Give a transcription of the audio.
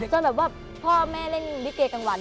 จนแบบว่าพ่อแม่เล่นลิเกกลางวัน